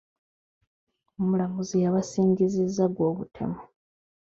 Omulamuzi yabasingizizza gw'obutemu.